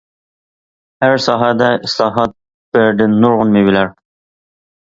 ھەر ساھەدە ئىسلاھات، بەردى نۇرغۇن مېۋىلەر.